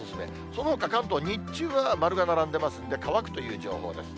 そのほか関東、日中は丸が並んでますんで、乾くという情報です。